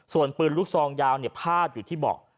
ส่วนปืนลูกซองยาวพาดอยู่ที่เบาะ